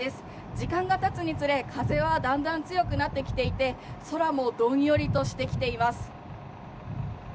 時間がたつにつれ風はだんだん強くなってきていて空もどんよりとしてきています。